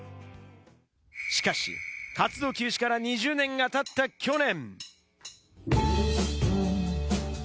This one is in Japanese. しかし、活動休止から２年が経った去年。